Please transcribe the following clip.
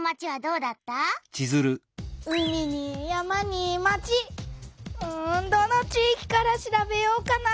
うんどの地いきから調べようかな？